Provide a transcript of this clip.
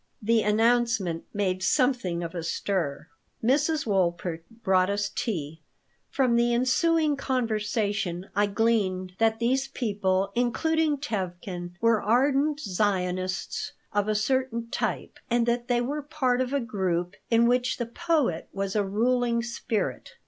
The announcement made something of a stir. Mrs. Wolpert brought us tea. From the ensuing conversation I gleaned that these people, including Tevkin, were ardent Zionists of a certain type, and that they were part of a group in which the poet was a ruling spirit.